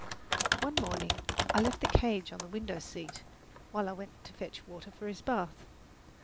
One morning I left the cage on the window seat while I went to fetch water for his bath.